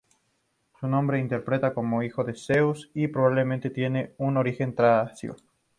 Su nombre se interpreta como "hijo de Zeus" y probablemente tiene un origen tracio.